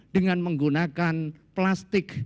dengan menggunakan plastik